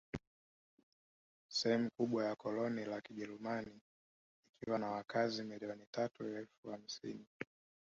Sehemu kubwa ya koloni la Kijerumani ikiwa na wakazi milioni tatu na elfu hamsini